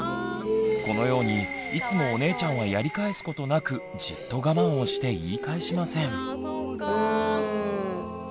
このようにいつもお姉ちゃんはやり返すことなくじっと我慢をして言い返しません。